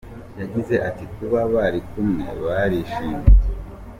Yagize ati “Kuba bari kumwe barishimye.